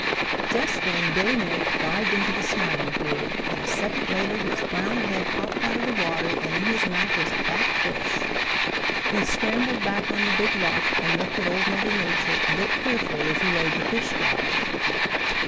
Just then Billy Mink dived into the Smiling Pool, and a second later his brown head popped out of the water and in his mouth was a fat fish. He scrambled back on the Big Rock and looked at Old Mother Nature a bit fearfully as he laid the fish down.